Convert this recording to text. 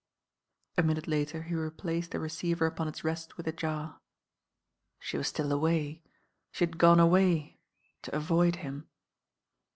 A minute later he replaced the receiver upon its rett with a jar. She wat ttill away. She had gone away — ^to avoid him.